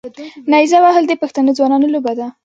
نیزه وهل د پښتنو ځوانانو لوبه ده.